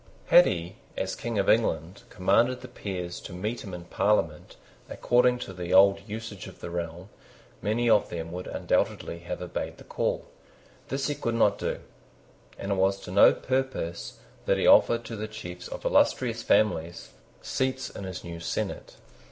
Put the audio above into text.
Had he, as King of England, commanded the peers to meet him in Parliament according to the old usage of the realm, many of them would undoubtedly have obeyed the call. This he could not do; and it was to no purpose that he offered to the chiefs of illustrious families seats in his new senate.